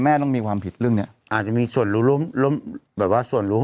ต้องมีความผิดเรื่องนี้อาจจะมีส่วนรู้ร่วมแบบว่าส่วนรู้